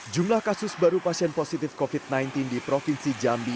jumlah kasus baru pasien positif covid sembilan belas di provinsi jambi